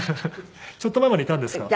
ちょっと前までいたんですか？